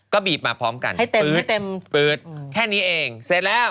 ก็บีบมาพร้อมกันปื๊ดแค่นี้เองเสร็จแล้ว